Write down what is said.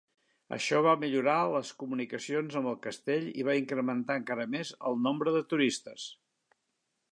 Això va millorar les comunicacions amb el castell i va incrementar encara més el nombre de turistes.